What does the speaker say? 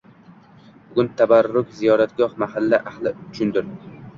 Bugun tabarruk ziyoratgoh mahalla ahli uchundir.